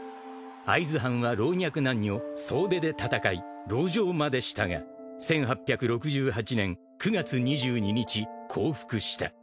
［会津藩は老若男女総出で戦い籠城までしたが１８６８年９月２２日降伏した］